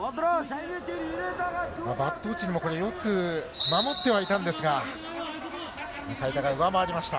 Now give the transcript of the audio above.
バットオチルもこれ、よく守ってはいたんですが、向田が上回りました。